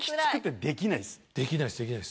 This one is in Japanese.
できないですできないです。